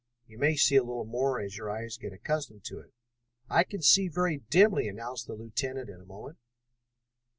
You may see a little more as your eyes get accustomed to it." "I can see very dimly," announced the lieutenant in a moment.